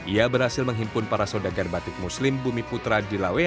ia berhasil menghimpun para saudagar batik muslim bumi putra di lawe